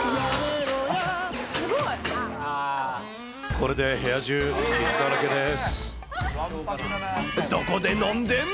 これで部屋中傷だらけです。